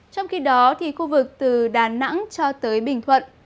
trong khi đó khu vực từ đà nẵng cho tới bình thuận